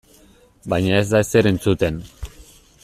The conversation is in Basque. Baina ez da ezer entzuten.